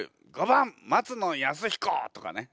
「５番松野靖彦」とかね。